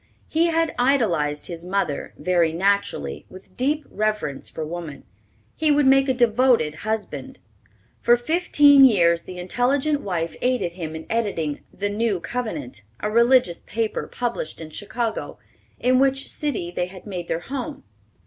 He had idolized his mother; very naturally, with deep reverence for woman, he would make a devoted husband. For fifteen years the intelligent wife aided him in editing The New Covenant, a religious paper published in Chicago, in which city they had made their home.